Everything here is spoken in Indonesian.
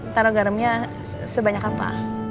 taruh garamnya sebanyak apa